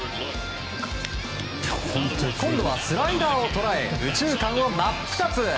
今度はスライダーを捉え右中間を真っ二つ。